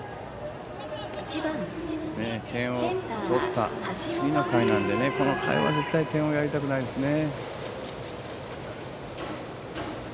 点を取った次の回なのでこの回は絶対に点をやりたくないですね。